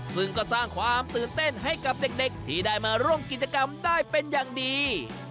ซึ่งก็สร้างความตื่นเต้นให้กับเด็กที่ได้มาร่วมกิจกรรมได้เป็นอย่างดี